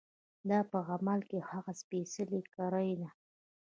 دا په عمل کې هغه سپېڅلې کړۍ ده.